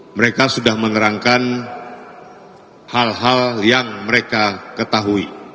mereka sudah menerangkan hal hal yang mereka ketahui